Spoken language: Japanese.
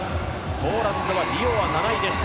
ポーランド、リオは７位でした。